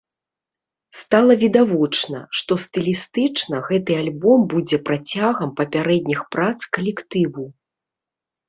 Стала відавочна, што стылістычна гэты альбом будзе працягам папярэдніх прац калектыву.